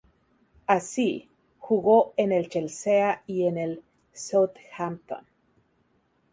Así, jugó en el Chelsea y en el Southampton.